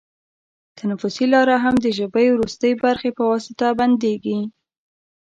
تنفسي لاره هم د ژبۍ وروستۍ برخې په واسطه بندېږي.